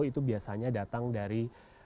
itu biasanya datang dari